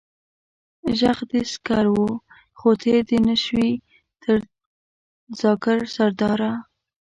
ژغ دې د سکر و، خو تېر نه شوې تر ذاکر سرداره.